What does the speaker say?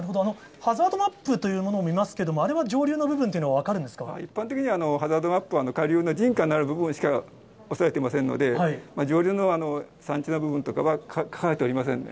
ハザードマップというものも見ますけれども、あれは上流の部分と一般的には、ハザードマップは下流の人家のある部分しか押さえてませんので、上流の山地の部分とかは、書かれておりませんね。